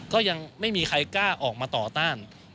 ก็ยังไม่มีใครกล้าออกมาต่อต้าน